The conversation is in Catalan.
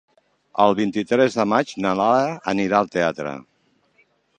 El vint-i-tres de maig na Lara anirà al teatre.